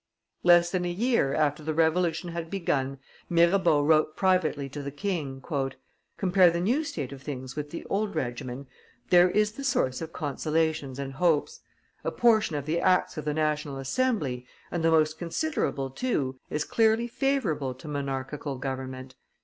Less than a year after the Revolution had begun, Mirabeau wrote privately to the king: "Compare the new state of things with the old regimen, there is the source of consolations and hopes. A portion of the acts of the National Assembly, and the most considerable too, is clearly favorable to monarchical government.